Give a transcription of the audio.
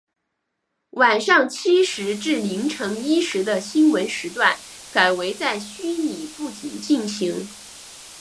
晚上七时至凌晨一时的新闻时段改为在虚拟布景进行。